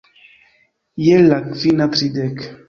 Je la kvina tridek.